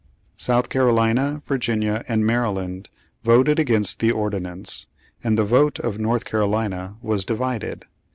South Carolina, Virginia and Maryland voted against the ordinance, and the vote of North Carolina was divided.